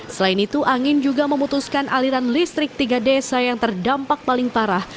selain itu angin juga memutuskan aliran listrik tiga desa yang terdampak paling parah